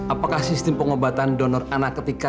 apakah sistem pengobatan donor anak ketika